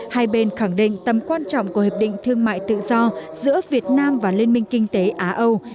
hai bên khẳng định tầm quan trọng của hiệp định thương mại tự do giữa việt nam và liên minh kinh tế á âu